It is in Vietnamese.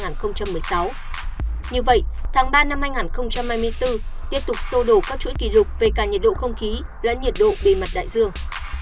như vậy tháng ba năm hai nghìn hai mươi bốn tiếp tục sô đổ các chuỗi kỷ lục về cả nhiệt độ không khí lẫn nhiệt độ bề mặt đại dương